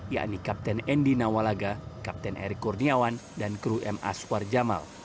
yakni kapten endi nawalaga kapten erick kurniawan dan kru m aswar jamal